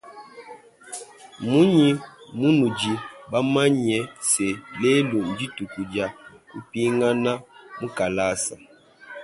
Mnunyi munudi bamanye se lelu ndituku dia kupingana mukalasa.